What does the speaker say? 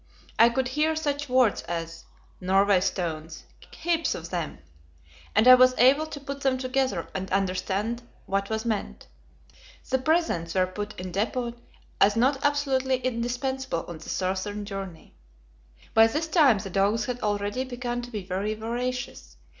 I could hear such words as, "Norway stones heaps of them," and I was able to put them together and understand what was meant. The "presents" were put in depot, as not absolutely indispensable on the southern journey. By this time the dogs had already begun to be very voracious.